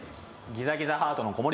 「ギザギザハートの子守唄」